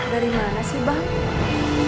dari mana sih bang